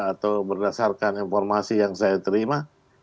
atau berdasarkan informasi yang saya terima